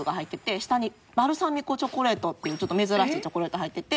下にバルサミコチョコレートっていうちょっと珍しいチョコレート入ってて。